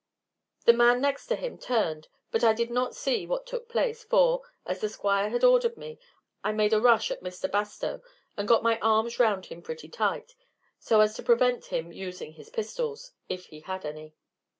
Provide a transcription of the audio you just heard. The man next to him turned, but I did not see what took place, for, as the Squire had ordered me, I made a rush at Mr. Bastow and got my arms round him pretty tight, so as to prevent him using his pistols, if he had any.